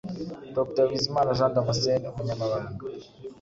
Dr Bizimana Jean Damascène, Umunyamabanga